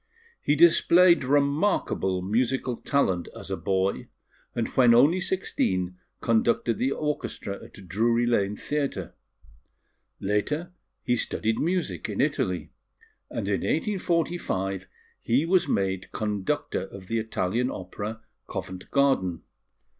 He displayed remarkable musical talent as a boy; and when only sixteen conducted the orchestra at Drury Lane Theatre. Later he studied music in Italy; and in 1845 he was made conductor of the Italian Opera, Covent Garden.